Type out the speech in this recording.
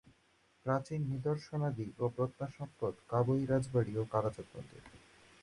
প্রাচীন নিদর্শনাদি ও প্রত্নসম্পদ কাবোই রাজবাড়ি ও কালাচাঁদ মন্দির।